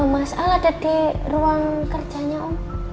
mas al ada di ruang kerjanya om